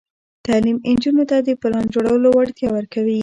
تعلیم نجونو ته د پلان جوړولو وړتیا ورکوي.